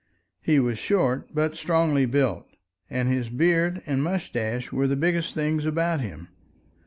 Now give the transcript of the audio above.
He was short but strongly built, and his beard and mustache were the biggest things about him.